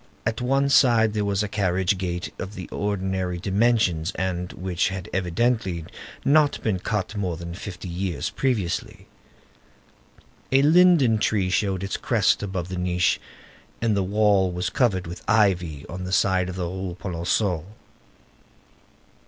At one side there was a carriage gate of the ordinary dimensions, and which had evidently not been cut more than fifty years previously. A linden tree showed its crest above the niche, and the wall was covered with ivy on the side of the Rue Polonceau.